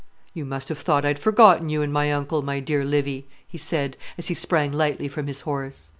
"You must have thought I'd forgotten you and my uncle, my dear Livy," he said, as he sprang lightly from his horse.